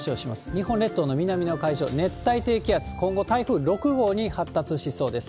日本列島の南の海上、熱帯低気圧、今後、台風６号に発達しそうです。